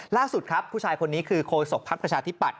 ล่าสุดครับผู้ชายคนนี้คือโคศกภักดิ์ประชาธิปัตย